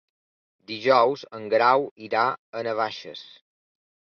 Dijous en Grau irà a Navaixes.